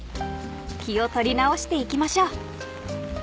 ［気を取り直していきましょう］